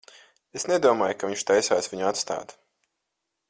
Es nedomāju, ka viņš taisās viņu atstāt.